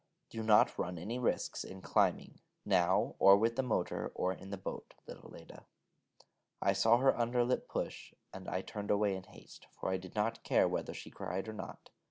Do not run any risks in climbing, now, or with the motor, or in the boat ... little Leda ...' I saw her under lip push, and I turned away in haste, for I did not care whether she cried or not.